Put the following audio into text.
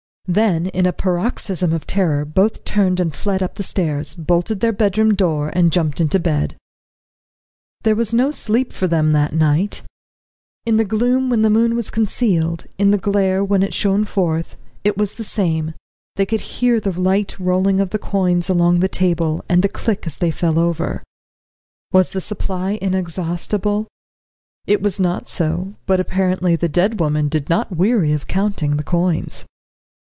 Then in a paroxysm of terror both turned and fled up the stairs, bolted their bedroom door, and jumped into bed. There was no sleep for them that night. In the gloom when the moon was concealed, in the glare when it shone forth, it was the same, they could hear the light rolling of the coins along the table, and the click as they fell over. Was the supply inexhaustible? It was not so, but apparently the dead woman did not weary of counting the coins.